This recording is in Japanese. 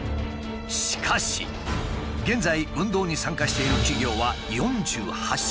しかし現在運動に参加している企業は４８社。